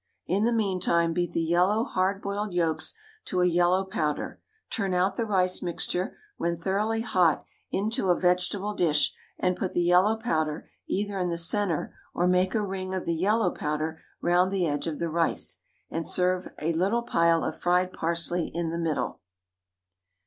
In the meantime beat the yellow hard boiled yolks to a yellow powder, turn out the rice mixture, when thoroughly hot, into a vegetable dish, and put the yellow powder either in the centre or make a ring of the yellow powder round the edge of the rice, and serve a little pile of fried parsley in the middle.